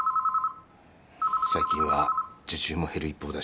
・☎最近は受注も減る一方だし。